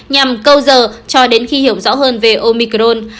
nhằm câu giờ cho đến khi hiểu rõ hơn về omicron